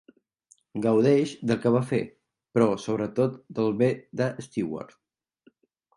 Gaudeix del que va fer, però sobretot pel bé de Steward.